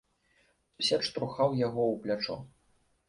Сусед штурхаў яго ў плячо.